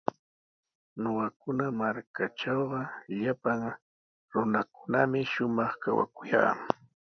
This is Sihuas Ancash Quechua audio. Ñuqakuna markaatrawqa llapan runawanmi shumaq kawakuyaa.